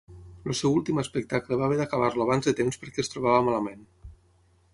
El seu últim espectacle va haver d'acabar-lo abans de temps perquè es trobava malament.